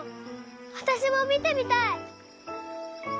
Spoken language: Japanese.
わたしもみてみたい！